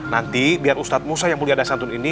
nanti biar ustadz musa yang mulia dasyatun ini